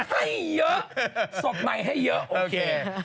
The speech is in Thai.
ให้เยอะศพใหม่ให้เยอะโอเค